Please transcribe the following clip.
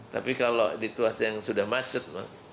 tapi kalau di situasi yang sudah macet